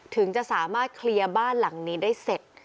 ถึงจะสามารถเคลียร์บ้านหลังนี้ได้เสร็จ